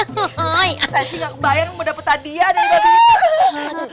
saya sih gak bayang mau dapet hadiah dari babi itu